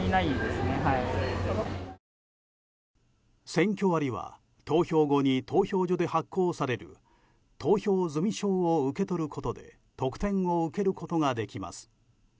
選挙割は投票後に投票所で発行される投票済証を受け取ることで特典を受けることができます。